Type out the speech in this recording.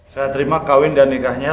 saya terima kawin dan nikahnya